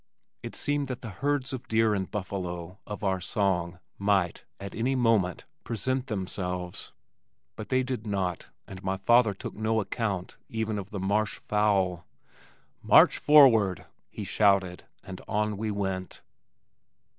It seemed that the "herds of deer and buffalo" of our song might, at any moment, present themselves, but they did not, and my father took no account even of the marsh fowl. "Forward march!" he shouted, and on we went.